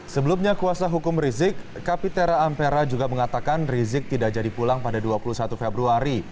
sebelumnya kuasa hukum rizik kapitera ampera juga mengatakan rizik tidak jadi pulang pada dua puluh satu februari